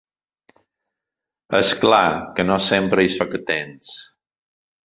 És clar que no sempre hi sóc a temps.